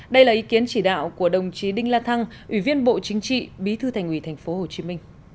đây là ý kiến chỉ đạo của đồng chí đinh la thăng ủy viên bộ chính trị bí thư thành ủy tp hcm